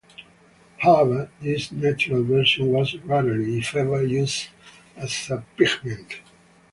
However, this natural version was rarely, if ever, used as a pigment.